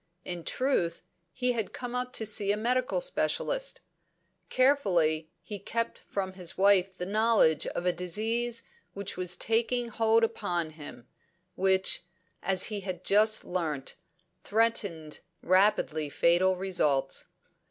In truth, he had come up to see a medical specialist. Carefully he kept from his wife the knowledge of a disease which was taking hold upon him, which as he had just learnt threatened rapidly fatal results.